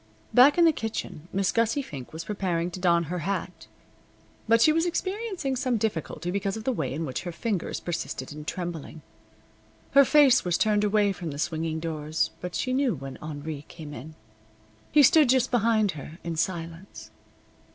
Back in the kitchen Miss Gussie Fink was preparing to don her hat, but she was experiencing some difficulty because of the way in which her fingers persisted in trembling. Her face was turned away from the swinging doors, but she knew when Henri came in. He stood just behind her, in silence.